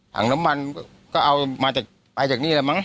ถังน้ำมันก็เอามาจากไปจากนี่แหละมั